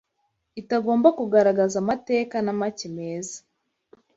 itagomba kugaragaza amateka na make meza